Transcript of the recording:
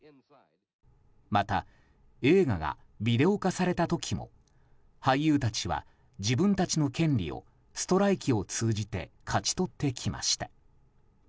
また、映画がビデオ化された時も俳優たちは、自分たちの権利をストライキを通じて勝ち取ってきました。